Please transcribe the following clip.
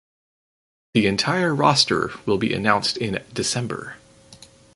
The entire roster will be announced in December.